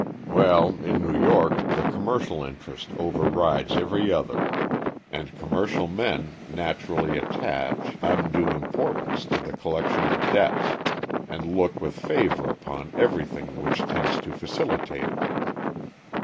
"Well, in New York the commercial interest overrides every other, and commercial men naturally attach undue importance to the collection of debts, and look with favor upon everything which tends to facilitate it.